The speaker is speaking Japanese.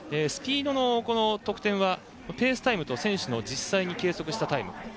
スピードの得点はペースタイムと選手の計測したタイム。